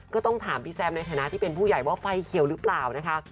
ก็ต้องถามพี่แซมในฐานะที่เป็นผู้ใหญ่ว่าไฟเขียวหรือเปล่านะคะ